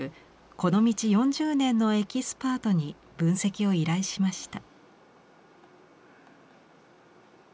この道４０年のエキスパートに分析を依頼しました。